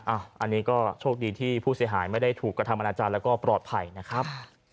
อันนี้ก็โชคดีที่ผู้เสียหายไม่ได้ถูกกระทำอนาจารย์แล้วก็ปลอดภัยนะครับ